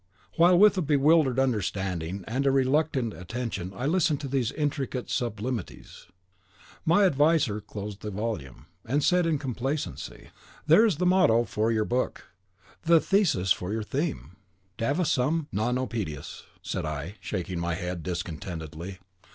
While with a bewildered understanding and a reluctant attention I listened to these intricate sublimities, my adviser closed the volume, and said with complacency, "There is the motto for your book, the thesis for your theme." "Davus sum, non Oedipus," said I, shaking my head, discontentedly.